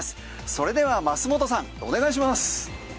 それでは升本さんお願いします。